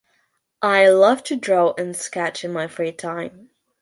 I love to draw and sketch in my free time.